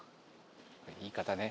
言い方ね。